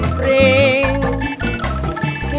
bro dong kerja